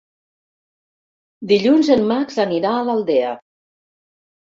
Dilluns en Max anirà a l'Aldea.